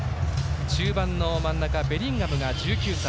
中盤の真ん中ベリンガムが１９歳。